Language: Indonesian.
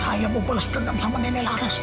saya mau balas dendam sama nenek laras